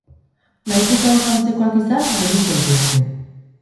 Nahiz eta oso antzekoak izan, bereiz daitezke.